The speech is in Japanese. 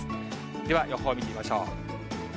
では予報を見てみましょう。